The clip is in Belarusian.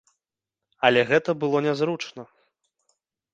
Але гэта было нязручна.